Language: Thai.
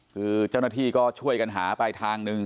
คือเจ้าหน้าที่ก็ช่วยกันหาไปทางหนึ่ง